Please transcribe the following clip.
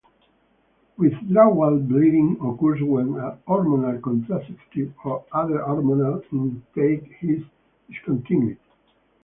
Withdrawal bleeding occurs when a hormonal contraceptive or other hormonal intake is discontinued.